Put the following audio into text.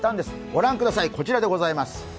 御覧ください、こちらでございます